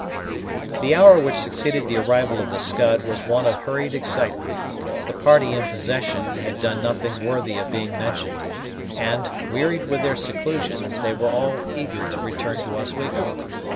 The hour which succeeded the arrival of the Scud was one of hurried excitement. The party in possession had done nothing worthy of being mentioned, and, wearied with their seclusion, they were all eager to return to Oswego.